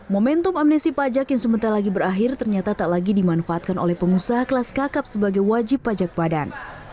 momentum amnesti pajak yang sebentar lagi berakhir ternyata tak lagi dimanfaatkan oleh pengusaha kelas kakap sebagai wajib pajak badan